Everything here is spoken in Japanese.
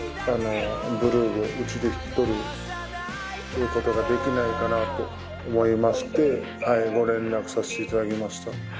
ブルーをうちで引き取ることができないかなと思いまして、ご連絡させていただきました。